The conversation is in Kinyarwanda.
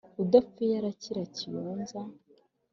Udapfuye arakira Kiyonza